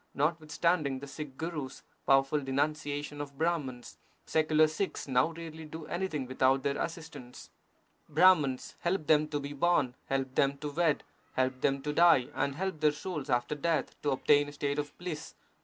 Notwithstanding the Sikh Gurus powerful denunciation of Brahmans, secular Sikhs now rarely do anything without their assistance. Brahmans help them to be born, help them to wed, help them to die, and help their souls after death to obtain a state of bliss.